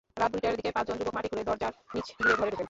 রাত দুইটার দিকে পাঁচজন যুবক মাটি খুঁড়ে দরজার নিচ দিয়ে ঘরে ঢোকেন।